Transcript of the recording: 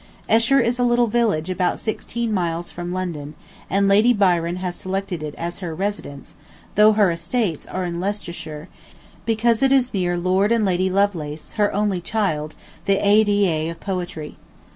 ] Esher is a little village about sixteen miles from London, and Lady Byron has selected it as her residence, though her estates are in Leicestershire, because it is near Lord and Lady Lovelace, her only child, the "Ada" of poetry.